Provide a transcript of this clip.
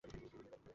মনে হয়, ভার্জিন।